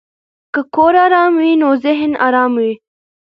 که کور آرام وي نو ذهن آرام وي.